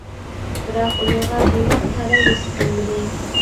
بىراق ئۇنىڭغا بۇنداق تەلەي نېسىپ بولمىدى.